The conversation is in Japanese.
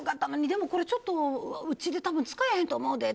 でもこれちょっとうちで使えへんと思うで。